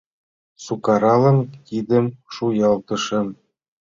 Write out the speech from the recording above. Сукаралан кидым шуялтышым.